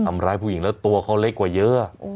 ทำร้ายผู้หญิงแล้วตัวเขาเล็กกว่าเยอะ